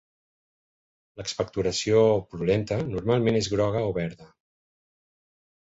L'expectoració purulenta normalment és groga o verda.